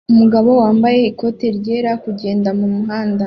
Umugabo wambaye ikoti ryenda kugenda mumuhanda